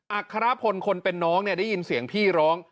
อัครพลคนเป็นน้องเนี่ยได้ยินเสียงพี่ร้อง